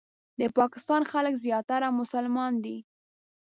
د پاکستان خلک زیاتره مسلمانان دي.